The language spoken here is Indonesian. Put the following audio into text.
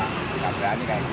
nggak berani kayak gitu